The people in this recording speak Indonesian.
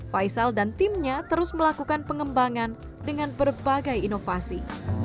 faisal dan timnya terus melakukan pengembangan dengan berbagai inovasi